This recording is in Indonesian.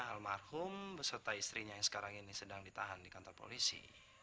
almarhum beserta istrinya yang sekarang ini sedang ditahan di kantor polisi